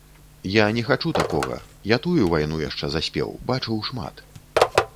Я не хачу такога, я тую вайну яшчэ заспеў, бачыў шмат.